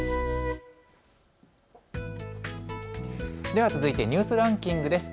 では続いてニュースランキングです。